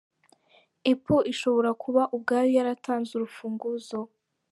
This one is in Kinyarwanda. Apple ishobora kuba ubwayo yaratanze urufunguzo.